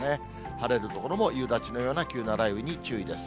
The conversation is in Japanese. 晴れる所も夕立のような急な雷雨に注意です。